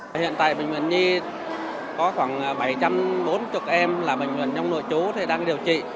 và hiện tại bệnh viện nhi có khoảng bảy trăm bốn mươi em là bệnh viện trong nội chú đang điều trị